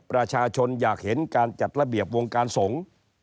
ประชาชนอยากเห็นการจัดระเบียบวงการสงฆ์